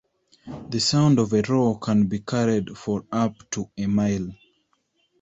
The sound of a roar can be carried for up to a mile.